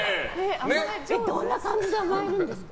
どんな感じで甘えるんですか？